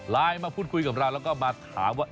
มาพูดคุยกับเราแล้วก็มาถามว่า